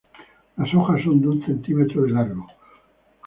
Las hojas son de un centímetro de largo.